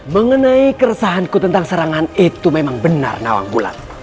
mengenai keresahanku tentang serangan itu memang benar nawang bulat